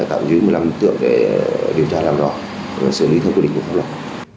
tạo dưới một mươi năm tượng để điều tra làm rõ và xử lý theo quy định của pháp luật